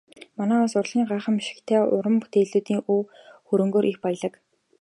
Манай улс урлагийн гайхамшигтай уран бүтээлүүдийн өв хөрөнгөөрөө их баялаг.